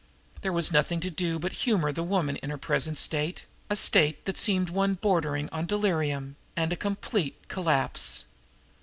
There was nothing to do but humor the woman in her present state, a state that seemed one bordering on delirium and complete collapse.